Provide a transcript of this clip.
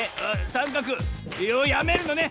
さんかくやめるのね。